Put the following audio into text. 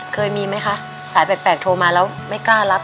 เคยมีไหมคะสายแปลกโทรมาแล้วไม่กล้ารับ